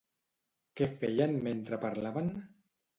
Què feien mentre parlaven?